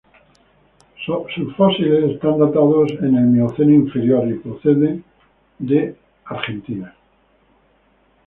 Sus fósiles están datados en el Mioceno Inferior y proceden de Argentina.